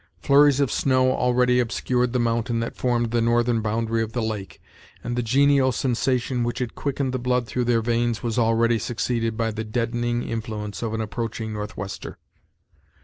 Flurries of snow already obscured the mountain that formed the northern boundary of the lake, and the genial sensation which had quickened the blood through their veins was already succeeded by the deadening influence of an approaching northwester.